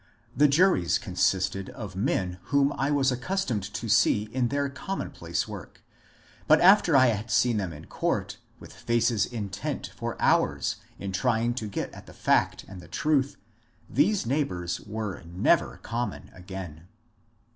The juries consisted of men whom I was accustomed to see in their commonplace work, but after I had seen them in court with faces intent for hours in trying to get at the fact and the truth, these neighbours were never common again.